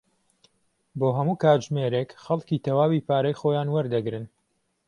بۆ هەموو کاتژمێرێک خەڵکی تەواوی پارەی خۆیان وەردەگرن.